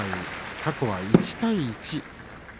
過去は１対１。